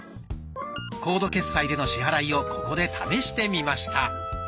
コード決済での支払いをここで試してみました。